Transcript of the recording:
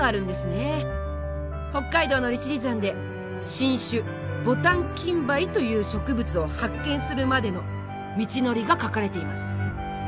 北海道の利尻山で新種ボタンキンバイという植物を発見するまでの道のりが書かれています。